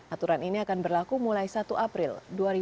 aturan ini akan berlaku mulai satu april dua ribu dua puluh